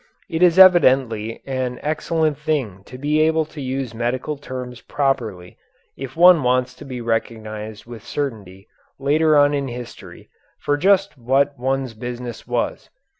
It is evidently an excellent thing to be able to use medical terms properly if one wants to be recognized with certainty later on in history for just what one's business was.